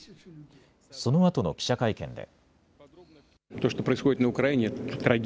そのあとの記者会見で。